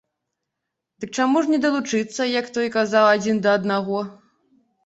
Дык чаму ж не далучыцца, як той казаў, адзін да аднаго?